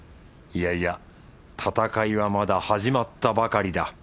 いやいや戦いはまだ始まったばかりだ